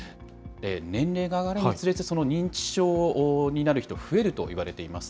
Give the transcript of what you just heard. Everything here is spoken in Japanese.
年齢が上がるにつれて、認知症になる人が増えるといわれています。